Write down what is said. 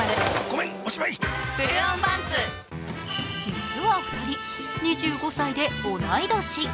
実は２人、２５歳で同い年。